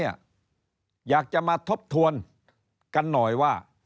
อยากจะมาทบทวนกันหน่อยว่า